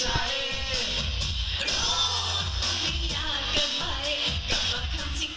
ยังว่าเธอน่ะยังรักกันอยู่